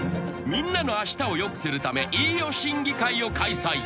［みんなのあしたをよくするため飯尾審議会を開催］